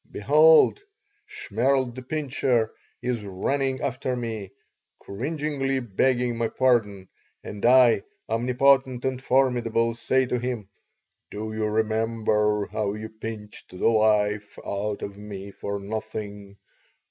Behold! Shmerl the Pincher is running after me, cringingly begging my pardon, and I, omnipotent and formidable, say to him: "Do you remember how you pinched the life out of me for nothing?